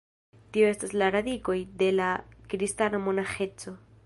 Tio estas la radikoj de la kristana monaĥeco.